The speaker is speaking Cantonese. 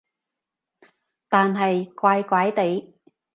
但係怪怪地